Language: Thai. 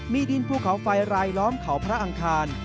มีดินภูเขาไฟรายล้อมเขาพระอังคาร